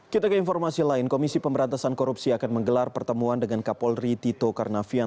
kita ke informasi lain komisi pemberantasan korupsi akan menggelar pertemuan dengan kapolri tito karnavian